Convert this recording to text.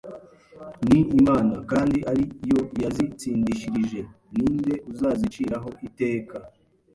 Ni Imana kandi ari yo yazitsindishirije? Ninde uzaziciraho iteka?